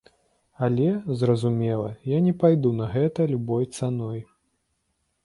Але, зразумела, я не пайду на гэта любой цаной.